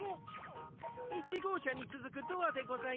１ごうしゃにつづくドアでございます。